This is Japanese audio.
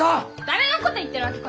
誰のこと言ってるわけ。